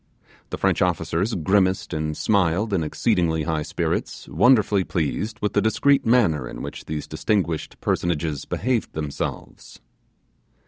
The French officers grimaced and smiled in exceedingly high spirits, wonderfully pleased with the discreet manner in which these distinguished personages behaved themselves.